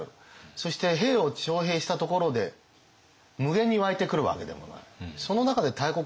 そして兵を徴兵したところで無限に湧いてくるわけでもない。